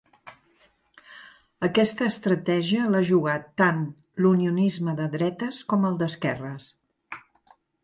Aquesta estratègia l’ha jugat tant l’unionisme de dretes com el d’esquerres.